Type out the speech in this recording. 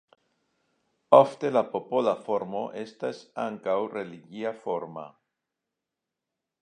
Ofte la popola formo estas ankaŭ religia forma.